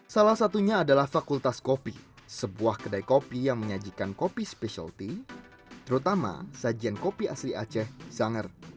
salah satunya adalah fakultas kopi sebuah kedai kopi yang menyajikan kopi specialty terutama sajian kopi asli aceh zanger